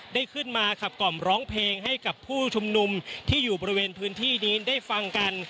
ได้ขึ้นมาขับกล่อมร้องเพลงให้กับผู้ชุมนุมที่อยู่บริเวณพื้นที่นี้ได้ฟังกัน